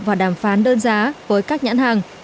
và đàm phán đơn giá với các nhãn hàng